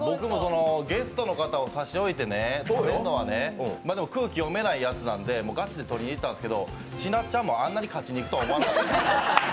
ゲストの方を差し置いて食べるのはね、でも空気読めないやつなんでガチで取りに行ったんですけどちなっちゃんもあんなに勝ちにいくとは思わなかった。